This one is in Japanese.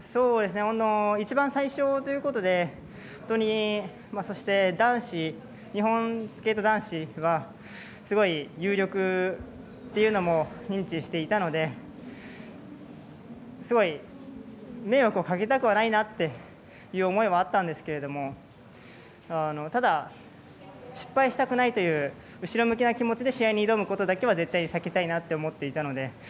一番最初ということでそして、日本スケート男子はすごい有力というのも認知していたのですごい、迷惑をかけたくはないなという思いがあったんですけれどもただ、失敗したくないという後ろ向きな気持ちで試合に挑むことは絶対に避けたいなと思っていたので。